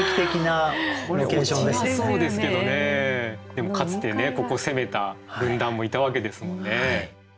でもかつてここ攻めた軍団もいたわけですもんね。